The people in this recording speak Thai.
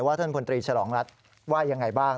ว่าท่านคุณตรีชะหรองรัฐว่ายังไงบ้าง